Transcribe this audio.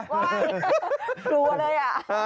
ครัวเลย